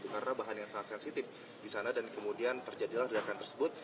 karena bahan yang sangat sensitif di sana dan kemudian terjadilah peledakan tersebut